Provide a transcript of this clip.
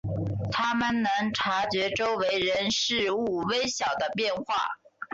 他们能察觉周围人事物微小的变化。